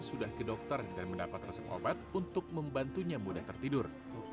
sudah ke dokter dan mendapat resep obat untuk membantunya mudah tertidur